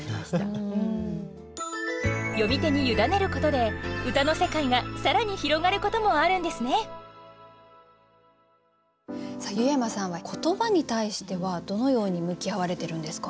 読み手に委ねることで歌の世界が更に広がることもあるんですね湯山さんは言葉に対してはどのように向き合われてるんですか？